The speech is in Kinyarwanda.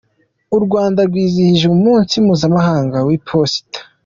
U Rwanda rwizihije umunsi mpuzamahanga w’iposita